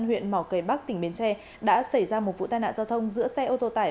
huyện mỏ cây bắc tỉnh bến tre đã xảy ra một vụ tai nạn giao thông giữa xe ô tô tải